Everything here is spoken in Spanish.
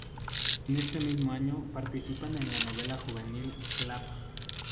En ese mismo año participa en la telenovela juvenil "Clap...